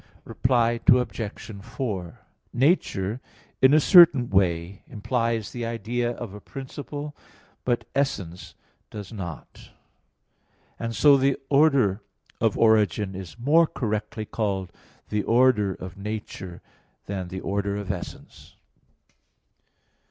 Reply Obj. 4: Nature in a certain way implies the idea of a principle, but essence does not; and so the order of origin is more correctly called the order of nature than the order of essence.